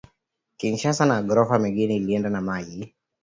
Kinshasa ma gorofa mingi ilienda na mayi